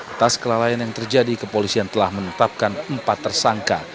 atas kelalaian yang terjadi kepolisian telah menetapkan empat tersangka